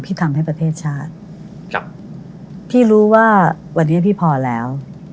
ทำให้ประเทศชาติพี่รู้ว่าวันนี้พี่พอแล้ว